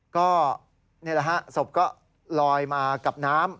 ก็นี่แหละฮะศพก็ลอยมากับน้ำ